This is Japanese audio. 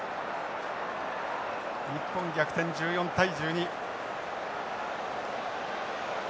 日本逆転１４対１２。